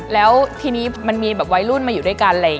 แล้วทีนี้มันมีไอ้รุ่นมาอยู่ด้วยกัน